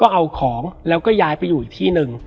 แล้วสักครั้งหนึ่งเขารู้สึกอึดอัดที่หน้าอก